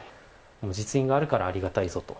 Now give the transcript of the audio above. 実印があるからありがたいぞと。